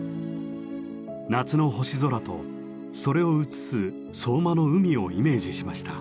夏の星空とそれを映す相馬の海をイメージしました。